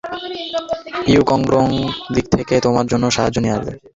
You কংগ্রং দক্ষিণ থেকে তোমার জন্য সাহায্যে নিয়ে আসবে।